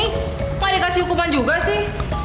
cuma dikasih hukuman juga sih